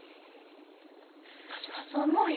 私もそう思うよ。